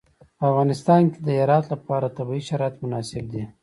په افغانستان کې د هرات لپاره طبیعي شرایط مناسب دي.